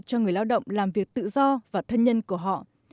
cho người lao động làm việc tự do và thân nhân của họ